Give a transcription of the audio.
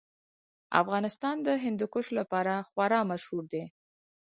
افغانستان د هندوکش لپاره خورا مشهور دی.